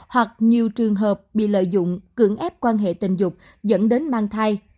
hoặc nhiều trường hợp bị lợi dụng cưỡng ép quan hệ tình dục dẫn đến mang thai